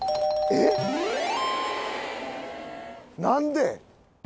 何で？